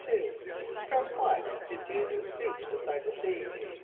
= From what did J[=e]´[s+]us preach beside the sea?